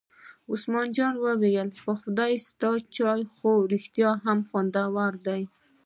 عثمان جان وویل: په خدای ستا چای خو رښتیا هم خوندور دی.